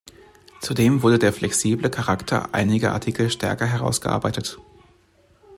Zudem wurde der flexible Charakter einiger Artikel stärker herausgearbeitet.